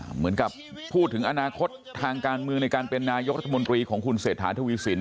เหมือนกับพูดถึงอนาคตทางการเมืองในการเป็นนายกรัฐมนตรีของคุณเศรษฐาทวีสิน